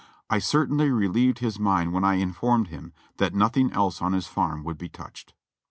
I certainly relieved his mind when I informed him that nothing else on his farm would be touched.